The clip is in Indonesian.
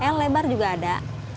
l lebar juga ada